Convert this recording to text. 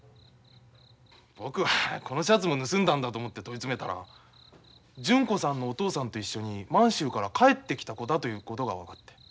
僕はこのシャツも盗んだんだと思って問い詰めたら純子さんのお父さんと一緒に満州から帰ってきた子だということが分かって。